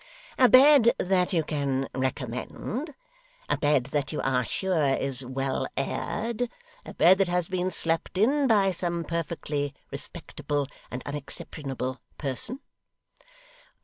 Hem! A bed that you can recommend a bed that you are sure is well aired a bed that has been slept in by some perfectly respectable and unexceptionable person?